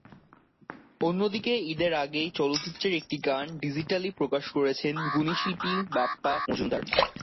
অন্যদিকে, ঈদের আগেই চলচ্চিত্রের একটি গান ডিজিটালি প্রকাশ করেছেন গুণী শিল্পী বাপ্পা মজুমদার।